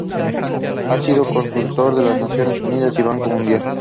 Ha sido consultor de las Naciones Unidas y del Banco Mundial.